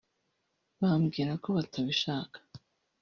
bambwira ko batabishaka